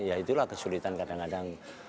ya itulah kesulitan kadang kadang